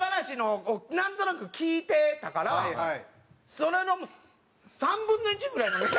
それの３分の１ぐらいの値段。